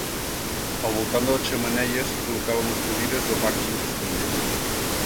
Al voltant de la xemeneia s'hi col·locaven les cadires o bancs amb respatller.